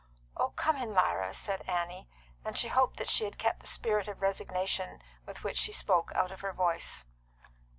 "Oh, come in, Lyra," said Annie; and she hoped that she had kept the spirit of resignation with which she spoke out of her voice.